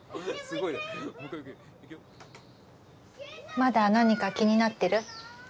まだ何か気になってる？